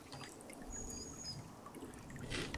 Crecimiento económico y estabilización.